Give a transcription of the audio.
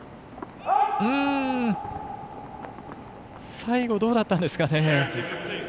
最後どうだったんですかね？